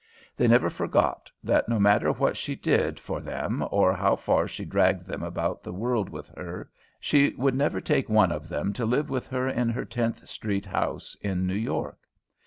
They never forgot that, no matter what she did for them or how far she dragged them about the world with her, she would never take one of them to live with her in her Tenth Street house in New York.